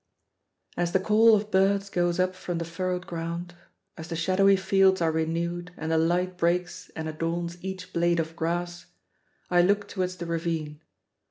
As the call of birds goes up from the furrowed ground, as the shadowy fields are renewed, and the light breaks and adorns each blade of grass, I look towards the ravine.